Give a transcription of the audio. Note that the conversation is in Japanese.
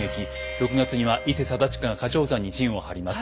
６月には伊勢貞親が華頂山に陣を張ります。